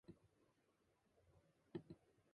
Again, the exact circumstances of the crash were unclear.